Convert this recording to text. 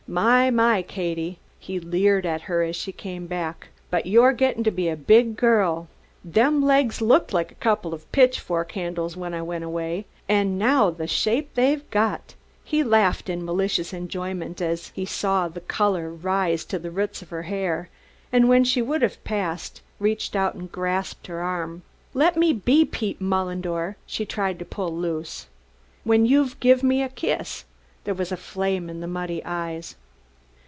"My! My! Katie," he leered at her as she came back, "but you're gettin' to be a big girl! Them legs looked like a couple of pitchfork handles when I went away, and now the shape they've got!" He laughed in malicious enjoyment as he saw the color rise to the roots of her hair; and when she would have passed, reached out and grasped her arm. "Let me be, Pete Mullendore!" She tried to pull loose. "When you've give me a kiss." There was a flame in the muddy eyes.